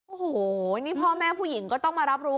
โอ้โหนี่พ่อแม่ผู้หญิงก็ต้องมารับรู้